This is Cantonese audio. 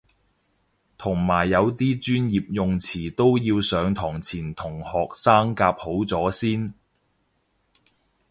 同埋有啲專業用詞都要上堂前同學生夾好咗先